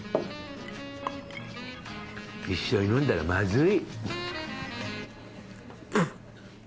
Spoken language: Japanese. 一緒に飲んだらまずい。